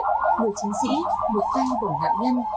người chiến sĩ một tay bổng nạn nhân